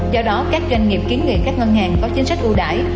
do đó các doanh nghiệp kiến nghị các ngân hàng có chính sách ưu đại